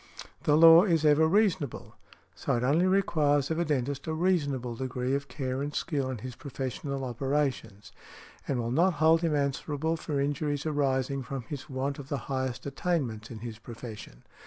The law is ever reasonable; so it only requires of a dentist a reasonable degree of care and skill in his professional operations, and will not hold him answerable for injuries arising from his want of the highest attainments in his profession.